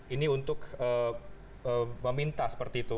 ini untuk meminta seperti itu